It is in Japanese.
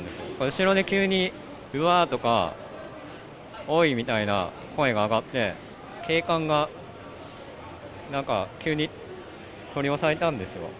後ろで急に、うわーとか、おいみたいな声が上がって、警官がなんか、急に取り押さえたんですよ。